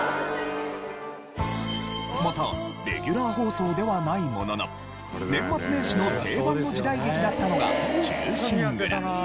またレギュラー放送ではないものの年末年始の定番の時代劇だったのが『忠臣蔵』。